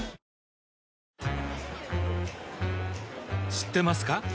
知ってますか？